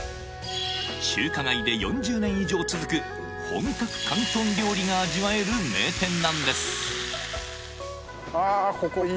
中華街で４０年以上続く本格広東料理が味わえる名店なんですああ